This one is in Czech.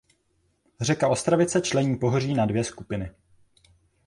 Řeka Ostravice člení pohoří na dvě skupiny.